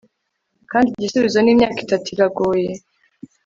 Kandi igisubizo ni Imyaka itatu iragoye